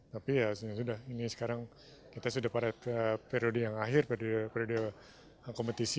tapi ya sudah ini sekarang kita sudah pada periode yang akhir periode kompetisi